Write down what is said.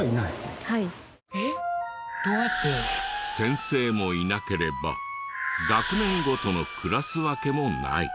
先生もいなければ学年ごとのクラス分けもない。